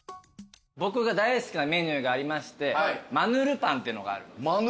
僕が大好きなメニューがありましてマヌルパンっていうのがあるんです。